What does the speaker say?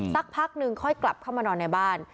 สักพักนึงค่อยกลับเข้ามานอนในบ้าน